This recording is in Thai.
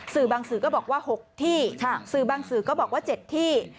บางสื่อก็บอกว่า๖ที่สื่อบางสื่อก็บอกว่า๗ที่